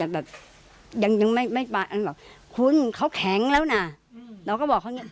แบบยังยังไม่นะแล้วนะเขาแข็งแล้วนะเราก็บอกเขาหนึ่ง